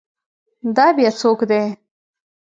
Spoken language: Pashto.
دا بیا څوک دی؟